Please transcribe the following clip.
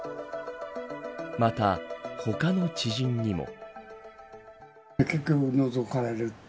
また、他の知人にも。